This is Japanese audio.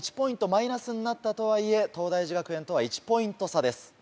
マイナスになったとはいえ東大寺学園とは１ポイント差です。